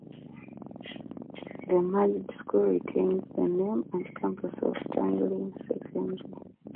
The merged school retains the name and campus of Tanglin Secondary.